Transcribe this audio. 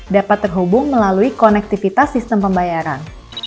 dapat terhubung melalui konektivitas sistem pembayaran